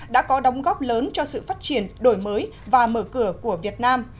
đã có đóng góp lớn cho sự phát triển đổi mới và mở cửa của việt nam